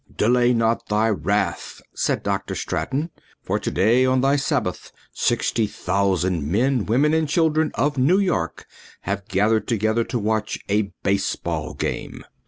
"Delay not thy wrath," said Dr. Straton, "for to day on thy Sabbath sixty thousand men, women, and children of New York have gathered together to watch a baseball game."